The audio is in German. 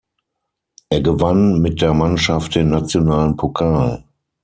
Er gewann mit der Mannschaft den nationalen Pokal.